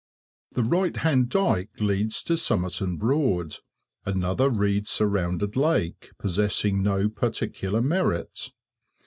The right hand dyke leads to Somerton Broad, another reed surrounded lake, possessing no particular merit.